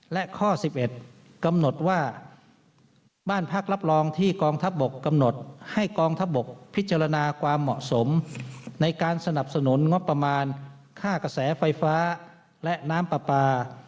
และข้อ๑๑กำหนดว่าบ้านพักรับรองที่กองทัพบกกำหนดให้กองทัพบกพิจารณาความเหมาะสมในการสนับสนุนงบประมาณค่ากระแสไฟฟ้าและน้ำปลาปลา